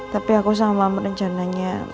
tapi aku sama rencananya